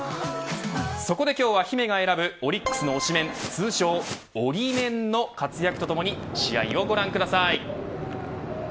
そこで今日は姫が選ぶオリックスの推しメン通称オリメンの活躍とともに試合をご覧ください。